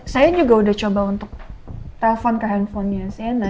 saya juga udah coba untuk telfon ke handphonenya sienna